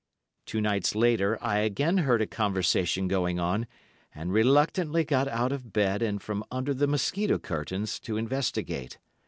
"Two nights later, I again heard a conversation going on, and reluctantly got out of bed and from under the mosquito curtains to investigate.